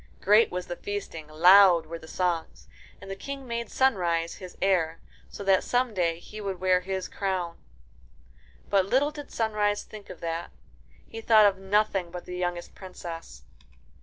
Great was the feasting, loud were the songs, and the King made Sunrise his heir, so that some day he would wear his crown. But little did Sunrise think of that. He thought of nothing but the youngest Princess.